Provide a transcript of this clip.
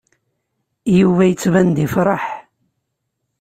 Yuba yettban-d yefṛeḥ.